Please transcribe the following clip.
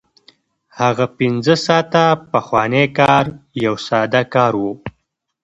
هغه پنځه ساعته پخوانی کار یو ساده کار و